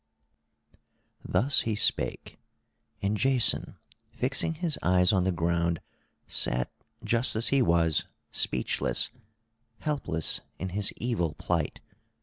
Thus he spake; and Jason, fixing his eyes on the ground, sat just as he was, speechless, helpless in his evil plight.